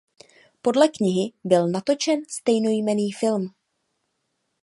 Podle knihy byl natočen stejnojmenný film.